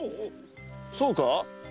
そうか？